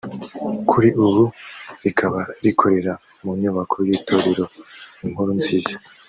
kuri ubu rikaba rikorera mu nyubako y’itorero Inkuru nziza